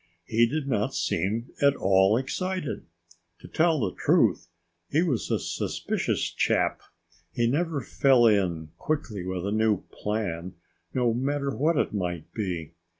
He did not seem at all excited. To tell the truth, he was a suspicious chap. He never fell in quickly with a new plan, no matter what it might be.